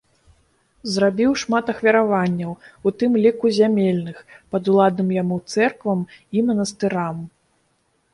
Зрабіў шмат ахвяраванняў, у тым ліку зямельных, падуладным яму цэрквам і манастырам.